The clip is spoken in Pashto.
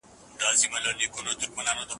بریا شخصي ارزښتونو پورې اړه لري.